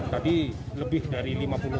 tadi lebih dari lima puluh